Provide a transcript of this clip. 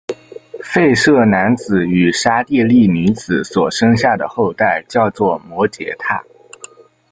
吠舍男子与刹帝利女子所生下的后代叫做摩偈闼。